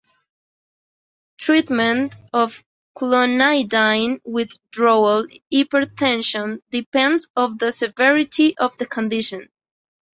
Treatment of clonidine withdrawal hypertension depends on the severity of the condition.